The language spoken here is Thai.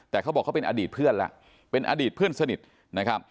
แต่เขาบอกเขาเป็นอดีตเพื่อนแล้วเป็นอดีตเพื่อนสนิทนะครับ